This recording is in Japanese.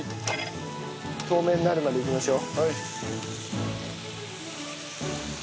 透明になるまでいきましょう。